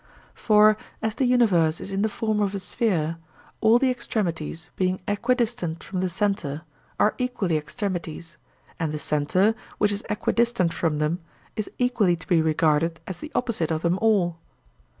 For as the universe is in the form of a sphere, all the extremities, being equidistant from the centre, are equally extremities, and the centre, which is equidistant from them, is equally to be regarded as the opposite of them all.